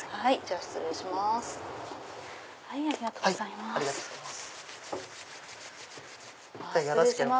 ありがとうございます。